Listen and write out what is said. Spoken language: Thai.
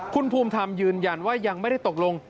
คุณภูมิธรรมยืนยันว่ายังไม่ได้ตกลง